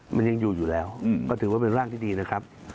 มันยังอยู่อยู่แล้วก็ถือว่าเป็นร่างที่ดีนะครับ